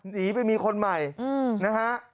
หนีไปมีคนใหม่นะฮะ